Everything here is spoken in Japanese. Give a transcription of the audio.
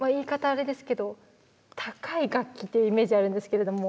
あれですけど高い楽器ってイメージあるんですけれども。